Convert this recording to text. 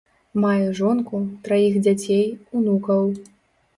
Мае жонку, траіх дзяцей, унукаў.